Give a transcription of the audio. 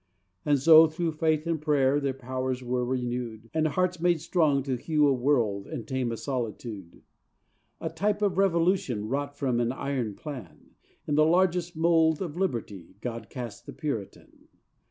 And so through faith and prayer Their powers were renewed, And hearts made strong to hew a world, And tame a solitude. A type of revolution, Wrought from an iron plan, In the largest mold of liberty God cast the Puritan.